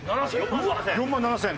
４万７０００円。